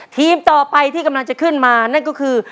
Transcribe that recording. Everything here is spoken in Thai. ทีมต่อไปที่กำลังจะขึ้นมานั่นก็คือ